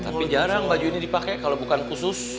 tapi jarang baju ini dipakai kalau bukan khusus